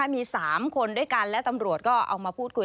มี๓คนด้วยกันและตำรวจก็เอามาพูดคุย